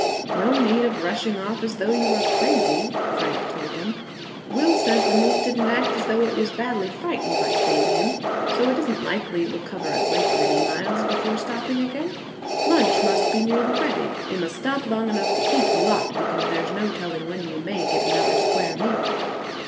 "No need of rushing off as though you were crazy," Frank told them. "Will says the moose didn't act as though it was badly frightened by seeing him, so it isn't likely it will cover a great many miles before stopping again. Lunch must be nearly ready. You must stop long enough to eat a lot, because there's no telling when you may get another square meal."